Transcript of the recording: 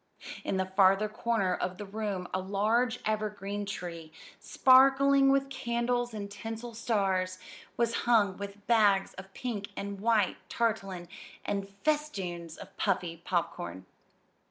In the farther corner of the room a large evergreen tree, sparkling with candles and tinsel stars, was hung with bags of pink and white tarletan and festoons of puffy popcorn.